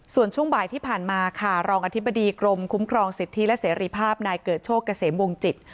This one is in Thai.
ส่วนช่วงบ่ายที่ผ่านมาค่ะรองอธิบดีกรมคุ้มครองสิทธิและเสรีภาพนายเกิดโชคเกษมวงจิต